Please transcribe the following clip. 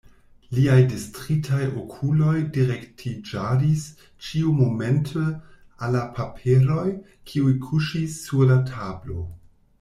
Liaj distritaj okuloj direktiĝadis ĉiumomente al la paperoj, kiuj kuŝis sur la tablo.